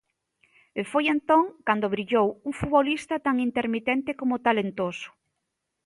E foi entón cando brillou un futbolista tan intermitente como talentoso.